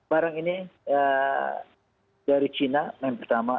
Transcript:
barang ini dari cina yang pertama